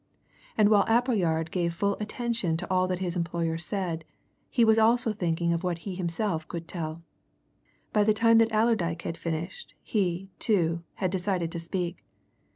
And while Appleyard gave full attention to all that his employer said, he was also thinking of what he himself could tell. By the time that Allerdyke had finished he, too, had decided to speak.